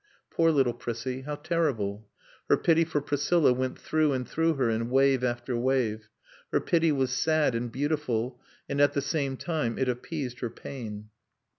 Poor little Prissie. How terrible. Her pity for Priscilla went through and through her in wave after wave. Her pity was sad and beautiful and at the same time it appeased her pain.